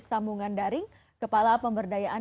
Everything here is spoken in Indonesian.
sambungan daring kepala pemberdayaan